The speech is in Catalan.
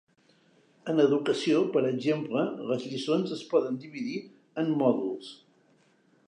En educació, per exemple, les lliçons es poden dividir en mòduls.